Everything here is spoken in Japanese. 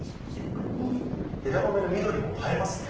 枝豆の緑も映えますね。